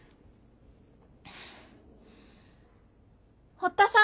・堀田さん。